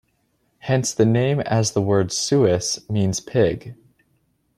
Hence the name as the word "suis" means pig.